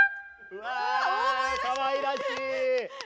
うわかわいらしい。